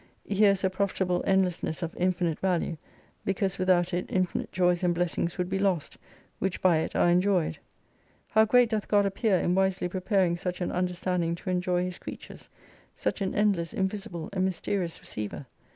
Here is a profitable end lessness of infinite value, because without it infinite ]oys and blessings would be lost, which by it are enjoyed. How great doth God appear, in wisely preparing such an understanding to enjoy His creatures ; such an end less, invisible, and mysterious receiver